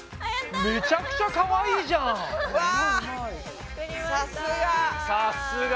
めちゃくちゃかわいいじゃん！わさすが！